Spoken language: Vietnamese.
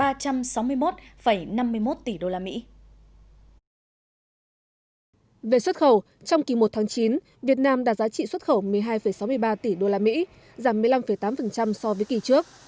về xuất khẩu trong kỳ một tháng chín việt nam đạt giá trị xuất khẩu một mươi hai sáu mươi ba tỷ usd giảm một mươi năm tám so với kỳ trước